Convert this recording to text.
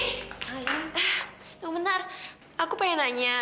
tunggu bentar aku pengen aja